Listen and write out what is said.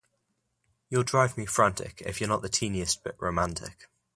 You'll drive me frantic if you're not just the teeniest bit romantic.